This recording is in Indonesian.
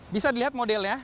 bisa dilihat modelnya